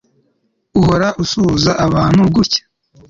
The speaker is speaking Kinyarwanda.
uhora usuhuza abantu gutya